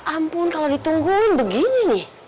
ampun kalau ditunggu begini